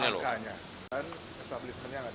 dan establishment nya yang ada di sini